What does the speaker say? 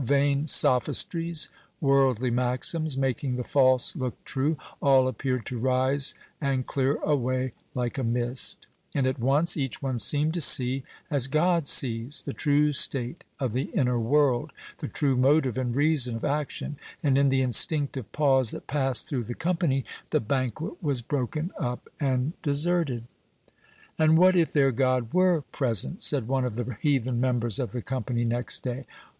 Vain sophistries, worldly maxims, making the false look true, all appeared to rise and clear away like a mist; and at once each one seemed to see, as God sees, the true state of the inner world, the true motive and reason of action, and in the instinctive pause that passed through the company, the banquet was broken up and deserted. "And what if their God were present?" said one of the heathen members of the company, next day.